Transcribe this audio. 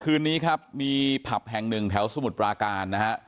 คืนนี้ครับมีผับแห่งหนึ่งแถวสมุทรปราการนะฮะ